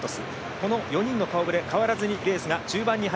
その４人の顔ぶれ変わらずにレースは中盤。